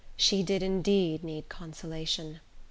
She did indeed need consolation!